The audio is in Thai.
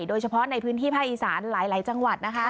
โดยเฉพาะในพื้นที่ภาคอีสานหลายจังหวัดนะคะ